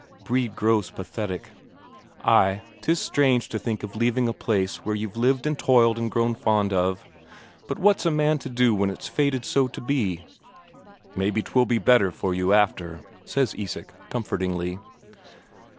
Brede grows pathetic. "Ay, 'tis strange to think of leaving a place where you've lived and toiled and grown fond of. But what's a man to do when it's fated so to be?" "Maybe 'twill be better for you after," says Isak comfortingly.